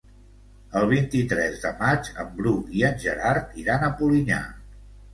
El vint-i-tres de maig en Bru i en Gerard iran a Polinyà.